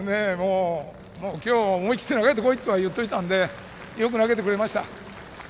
今日は思い切って投げてこいとは言ってたのでよく投げてくれました。